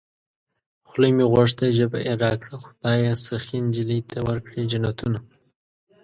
خوله مې غوښته ژبه يې راکړه خدايه سخي نجلۍ ته ورکړې جنتونه